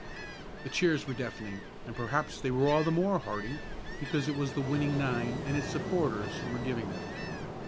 The cheers were deafening and perhaps they were all the more hearty because it was the winning nine and its supporters who were giving them.